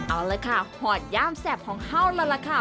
เอาละค่ะหอดย่ามแสบของเขาแล้วล่ะค่ะ